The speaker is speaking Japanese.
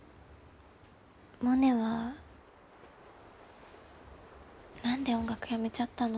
モネは何で音楽やめちゃったの？